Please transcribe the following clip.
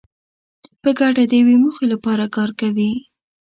په ګډه د یوې موخې لپاره کار کوي.